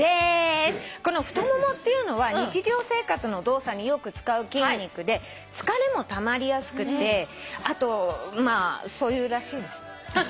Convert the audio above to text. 太ももっていうのは日常生活の動作によく使う筋肉で疲れもたまりやすくてあとまあそういうらしいです。